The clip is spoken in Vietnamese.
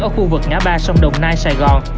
ở khu vực ngã ba sông đồng nai sài gòn